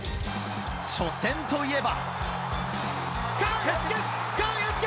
初戦といえば。